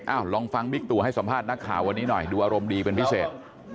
ลองฟังบิ๊กตู่ให้สัมภาษณ์นักข่าววันนี้หน่อยดูอารมณ์ดีเป็นพิเศษ